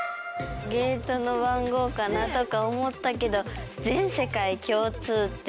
ゲートの番号かなとか思ったけど全世界共通って言われると。